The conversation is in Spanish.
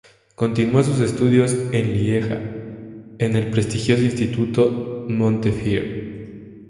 Continúa sus estudios en Lieja, en el prestigioso Instituto Montefiore.